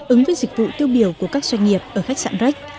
ứng với dịch vụ tiêu biểu của các doanh nghiệp ở khách sạn rec